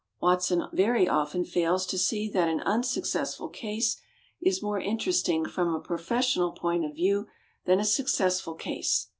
Watson very often fails to see that an unsuccessful case is more interesting from a professional point of view than a successful case.